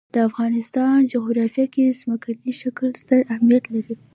د افغانستان جغرافیه کې ځمکنی شکل ستر اهمیت لري.